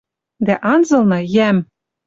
Дӓ анзылны — йӓм.